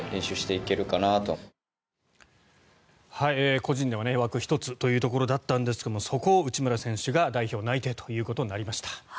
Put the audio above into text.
個人では枠１つというところだったんですがそこを内村選手が代表内定ということになりました。